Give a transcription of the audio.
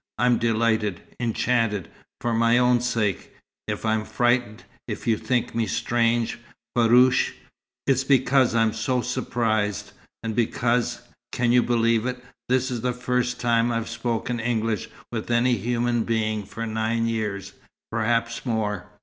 "I'm delighted enchanted for my own sake. If I'm frightened, if you think me strange farouche it's because I'm so surprised, and because can you believe it? this is the first time I've spoken English with any human being for nine years perhaps more.